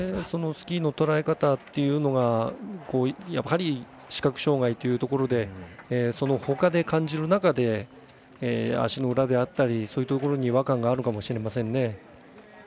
そのスキーのとらえ方っていうのが、やはり視覚障がいというところでほかで感じる中で足の裏であったりそういうところに違和感があるのかもしれませんね。